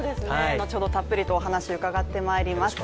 後ほどたっぷりとお話を伺ってまいります。